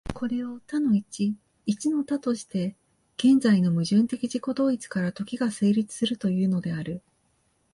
これを多の一、一の多として、現在の矛盾的自己同一から時が成立するというのである。